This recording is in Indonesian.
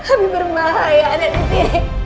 abi bermahaya disini